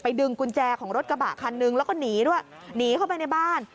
ดึงกุญแจของรถกระบะคันนึงแล้วก็หนีด้วยหนีเข้าไปในบ้าน